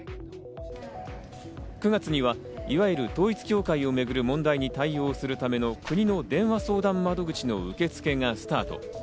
９月にはいわゆる統一教会をめぐる問題に対応するための国の電話相談窓口の受け付けがスタート。